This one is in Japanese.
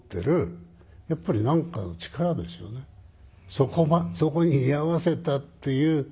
それはそこに居合わせたっていう。